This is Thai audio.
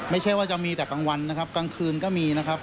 ไม่ใช่ว่าจะมีแต่กลางวันนะครับกลางคืนก็มีนะครับ